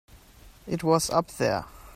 It was up there.